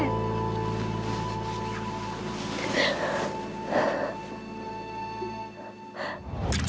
เอาดี